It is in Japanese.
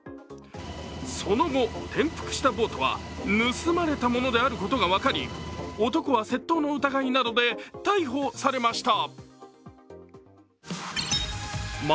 その後、転覆したボートは盗まれたものであることが分かり、男は窃盗の疑いなどで逮捕されました。